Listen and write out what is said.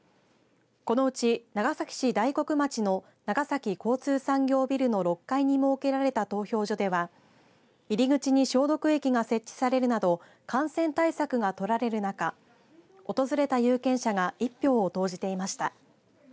このうち長崎市大黒町の長崎交通産業ビルの６階に設けられた投票所では入り口に消毒液が設置されるなど感染対策が取られる中訪れた有権者が１票を投じていました。